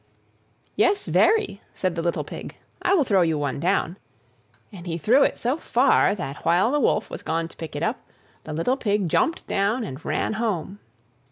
"Yes, very," said the little Pig; "I will throw you down one." And he threw it so far that, while the Wolf was gone to pick it up, the little Pig jumped down and ran home.